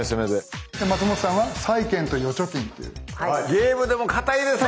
ゲームでもかたいですね。